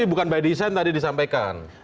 ini bukan by design tadi disampaikan